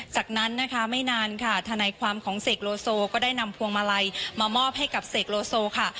จากนั้นนะคะไม่นานค่ะทนายความของเสกโลโซก็ได้นำพวงมาลัยมามอบให้กับเสกโลโซค่ะ